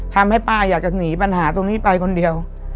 ป้าอยากจะหนีปัญหาตรงนี้ไปคนเดียว